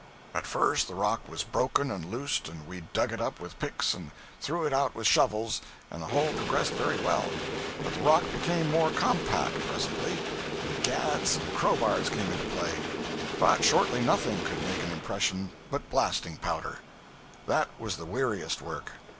At first the rock was broken and loose and we dug it up with picks and threw it out with shovels, and the hole progressed very well. But the rock became more compact, presently, and gads and crowbars came into play. But shortly nothing could make an impression but blasting powder. That was the weariest work!